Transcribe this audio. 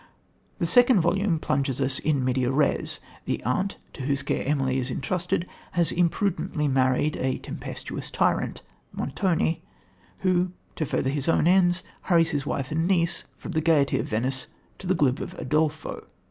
The second volume plunges us in medias res. The aunt, to whose care Emily is entrusted, has imprudently married a tempestuous tyrant, Montoni, who, to further his own ends, hurries his wife and niece from the gaiety of Venice to the gloom of Udolpho.